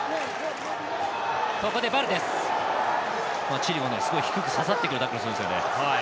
チリもすごく低く刺さってくるタックルするんです。